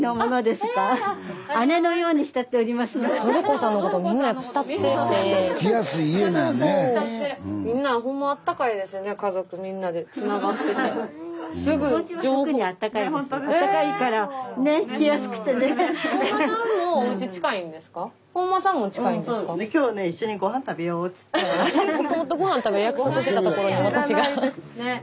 スタジオもともとごはん食べる約束してたところに私が。